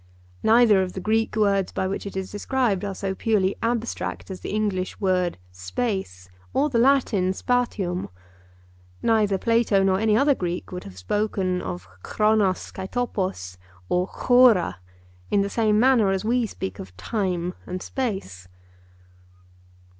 Neither of the Greek words by which it is described are so purely abstract as the English word 'space' or the Latin 'spatium.' Neither Plato nor any other Greek would have spoken of (Greek) or (Greek) in the same manner as we speak of 'time' and 'space.